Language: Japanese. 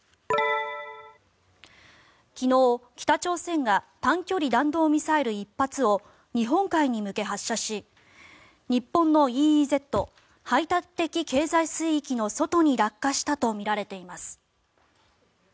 昨日、北朝鮮が短距離弾道ミサイル１発を日本海に向け発射し日本のＥＥＺ・排他的経済水域の外に落下したとみられています。